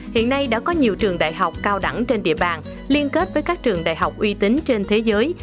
hiện nay đã có nhiều trường đại học cao đẳng trên địa bàn liên kết với các trường đại học uy tín trên thế giới